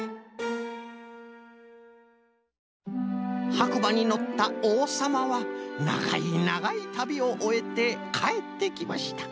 「はくばにのったおうさまはながいながいたびをおえてかえってきました。